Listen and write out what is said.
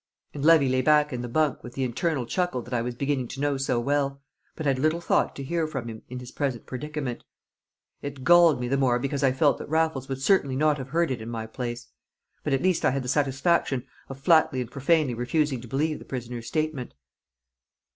And Levy lay back in the bunk with the internal chuckle that I was beginning to know so well, but had little thought to hear from him in his present predicament. It galled me the more because I felt that Raffles would certainly not have heard it in my place. But at least I had the satisfaction of flatly and profanely refusing to believe the prisoner's statement.